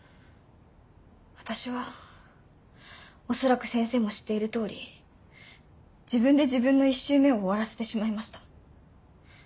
私は恐らく先生も知っている通り自分で自分の１周目を終わらせてしまいました。